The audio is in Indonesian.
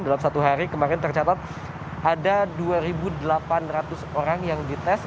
dalam satu hari kemarin tercatat ada dua delapan ratus orang yang dites